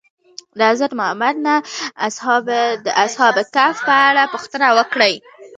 د حضرت محمد نه د اصحاب کهف په اړه پوښتنه وکړئ.